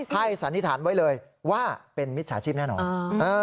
สันนิษฐานไว้เลยว่าเป็นมิจฉาชีพแน่นอน